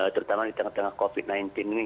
terutama di tengah tengah covid sembilan belas ini